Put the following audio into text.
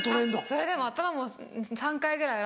それでも頭も３回ぐらい洗ったり。